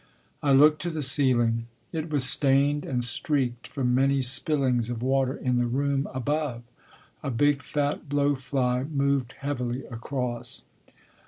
I looked to the ceiling. It was stained and streaked from many spillings of water in the room above. A big fat blowfly moved heavily across.